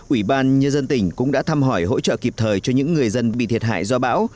ủy ban nhân dân tỉnh cũng đã thăm hỏi hỗ trợ kịp thời cho những người dân bị thiệt hại do bão